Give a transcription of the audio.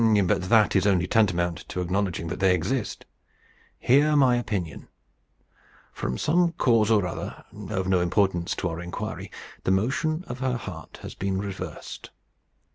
But that is only tantamount to acknowledging that they exist. Hear my opinion. From some cause or other, of no importance to our inquiry, the motion of her heart has been reversed.